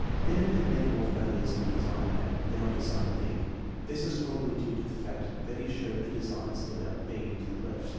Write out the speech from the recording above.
Binet had many more failures on design a than on de sign &. This was probably due to the fact that he showed the designs with our 6 to the left.